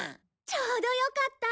ちょうどよかった。